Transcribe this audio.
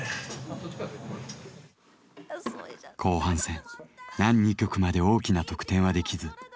後半戦南２局まで大きな得点はできず最下位。